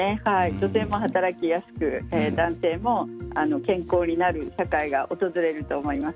女性も働きやすく男性も健康になる社会が訪れると思います。